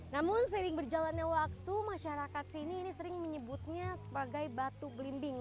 namun sering berjalannya waktu masyarakat sini ini sering menyebutnya sebagai batu belimbing